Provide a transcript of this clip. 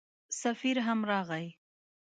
سفیر هم راغی.